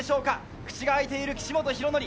口が開いている岸本大紀。